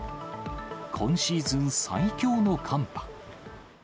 今シーズン最強の寒波。